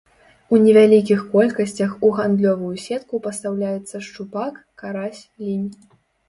У невялікіх колькасцях у гандлёвую сетку пастаўляецца шчупак, карась, лінь.